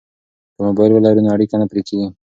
که موبایل ولرو نو اړیکه نه پرې کیږي.